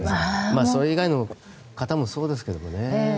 それ以外の方もそうですけど。